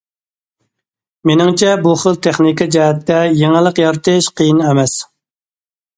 مېنىڭچە بۇ خىل تېخنىكا جەھەتتە يېڭىلىق يارىتىش قىيىن ئەمەس.